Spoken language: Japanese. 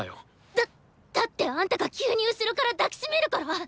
だっだってあんたが急に後ろから抱き締めるから。